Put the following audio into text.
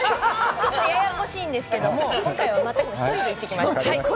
ややこしいんですけど、今回は全く１人で行ってきました。